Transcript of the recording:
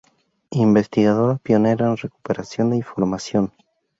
Investigadora pionera en recuperación de información.